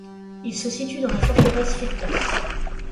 Il se situe dans la forteresse Firkas.